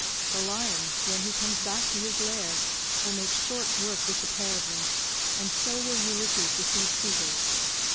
The lion, when he comes back to his lair, will make short work with the pair of them, and so will Ulysses with these suitors.